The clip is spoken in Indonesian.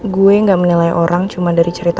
gue gak menilai orang cuma dari cerita